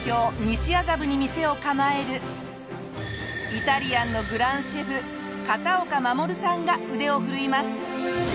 西麻布に店を構えるイタリアンのグランシェフ片岡護さんが腕を振るいます。